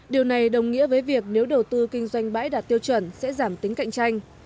điều này đồng nghĩa với việc nếu đầu tư kinh doanh bãi đạt tiêu chuẩn sẽ giảm tính cạnh tranh